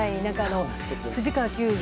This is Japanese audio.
藤川球児